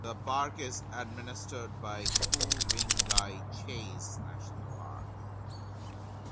The park is administered by Ku-ring-gai Chase National Park.